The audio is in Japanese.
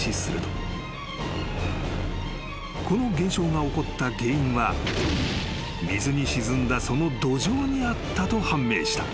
［この現象が起こった原因は水に沈んだその土壌にあったと判明した］